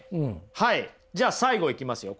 はいじゃあ最後いきますよ。